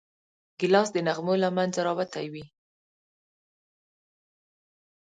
ګیلاس د نغمو له منځه راوتی وي.